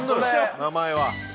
名前は。